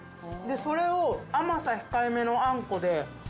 それを甘さ控え目のあんこで。